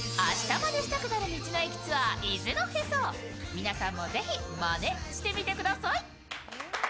皆さんもぜひ、まねしてみてください。